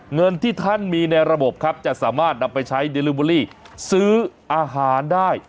เงินที่ท่านมีในระบบครับจะสามารถนำไปใช้เดลิเวอรี่ซื้ออาหารได้